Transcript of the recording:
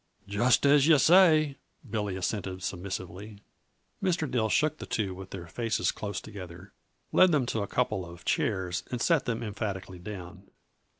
"Just as you say," Billy assented submissively. Mr. Dill shook the two with their faces close together, led them to a couple of chairs and set them emphatically down.